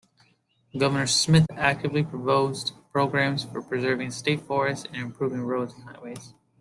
Governor Smith actively proposed programs for preserving state forests and improving roads and highways.